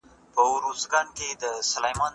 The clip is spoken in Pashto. که تجربه زده سي دا تعليم دی؛ ؛خو تدريس په ټولګي کي وي.